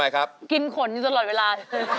กินขนอยู่ตลอดเวลา